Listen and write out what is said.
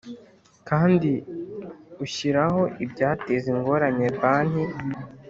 Kandi ushyiraho ibyateza ingorane banki